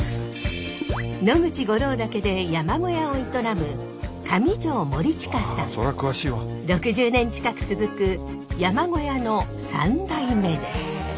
野口五郎岳で山小屋を営む６０年近く続く山小屋の三代目です。